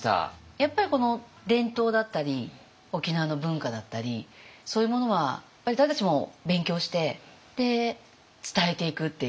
やっぱりこの伝統だったり沖縄の文化だったりそういうものは私たちも勉強して伝えていくっていう。